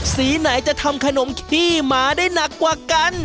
สีไหนจะทำขนมขี้หมาได้หนักกว่ากัน